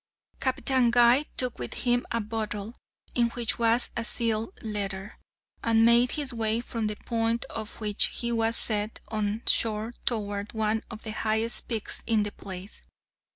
Captain Guy took with him a bottle, in which was a sealed letter, and made his way from the point on which he was set on shore toward one of the highest peaks in the place.